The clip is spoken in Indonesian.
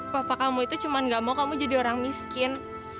papa kamu itu cuma gak mau kamu jadi orang miskin